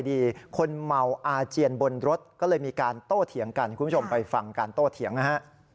ที่๓ร้อยอ่ะไม่ต้องกู้มึงหรอกพูดให้มันดีนะ